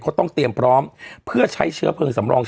เขาต้องเตรียมพร้อมเพื่อใช้เชื้อเพลิงสำรอง